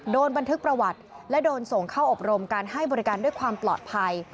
โดนบันทึกประวัติและโดนส่งเข้าอบรมการให้บริการด้วยความปลอดภัย